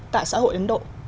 tại xã hội ấn độ